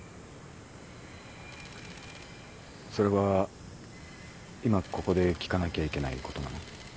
それは今ここで聞かなきゃいけないことなの？